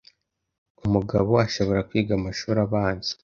Umugaboashobora kwiga amashuri abanza,